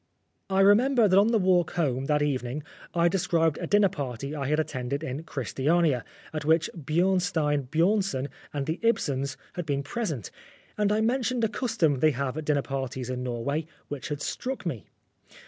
I remember that on the walk home that evening I described a dinner party I had attended in Christiania, at which Bjoernstein Bjornsen and the Ibsens had been present, and I mentioned a custom they have at dinner parties in Norway which had struck me.